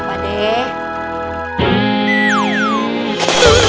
harus gue yang pade